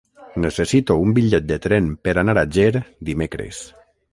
Necessito un bitllet de tren per anar a Ger dimecres.